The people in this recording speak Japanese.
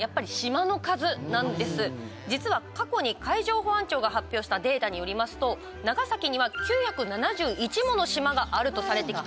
実は過去に海上保安庁が発表したデータによりますと長崎には９７１もの島があるとされてきたんです。